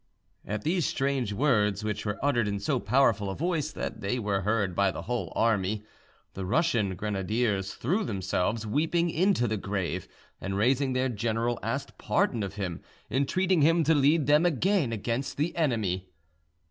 At these strange words, which were uttered in so powerful a voice that they were heard by the whole army, the Russian grenadiers threw themselves weeping into the grave, and, raising their general, asked pardon of him, entreating him to lead them again against the enemy.